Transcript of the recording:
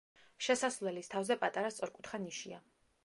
შესასვლელის თავზე პატარა სწორკუთხა ნიშია.